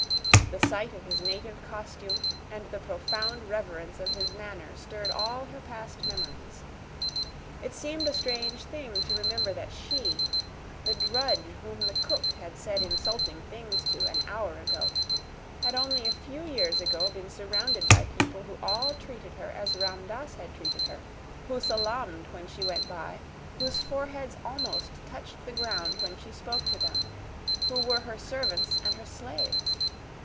The sight of his native costume and the profound reverence of his manner stirred all her past memories. It seemed a strange thing to remember that she the drudge whom the cook had said insulting things to an hour ago had only a few years ago been surrounded by people who all treated her as Ram Dass had treated her; who salaamed when she went by, whose foreheads almost touched the ground when she spoke to them, who were her servants and her slaves.